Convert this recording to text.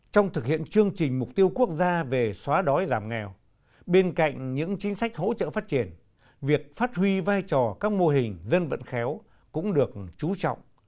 trong thực hiện chương trình mục tiêu quốc gia về xóa đói giảm nghèo bên cạnh những chính sách hỗ trợ phát triển việc phát huy vai trò các mô hình dân vận khéo cũng được trú trọng